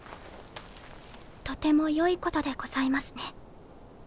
とても良いことでございますね。